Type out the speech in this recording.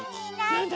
なんだ？